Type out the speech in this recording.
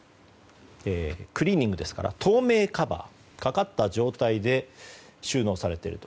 クリーニングですから透明カバーがかかった状態で収納されている。